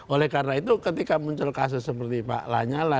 oleh karena itu ketika muncul kasus seperti pak lanyala